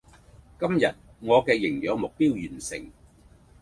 今日我嘅營餋目標完成